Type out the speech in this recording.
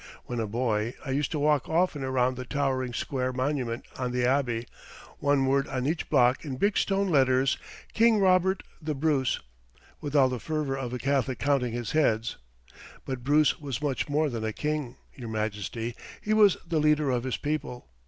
When a boy, I used to walk often around the towering square monument on the Abbey one word on each block in big stone letters 'King Robert the Bruce' with all the fervor of a Catholic counting his beads. But Bruce was much more than a king, Your Majesty, he was the leader of his people.